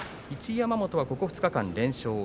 一山本は、ここ２日間連勝。